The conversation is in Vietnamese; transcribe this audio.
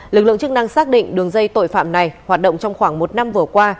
lực lượng chức năng xác định đường dây tội phạm này hoạt động trong khoảng một năm vừa qua